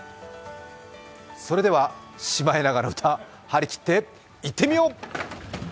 それでは「シマエナガの歌」いってみよう。